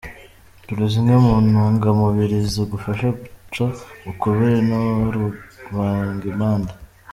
Dore zimwe mu ntungamubiri zagufasha guca ukubiri na rubagimpande.